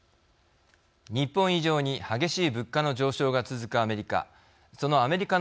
日本以上に激しい物価の上昇が続くアメリカ